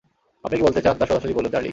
আপনি কী বলতে চান তা সোজাসুজি বলুন, চার্লি।